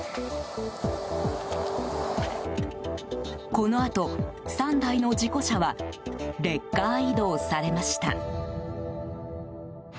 このあと、３台の事故車はレッカー移動されました。